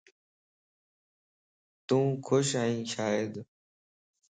تون خوش ائين شايد